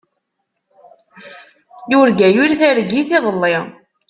Yurga yir targit iḍelli.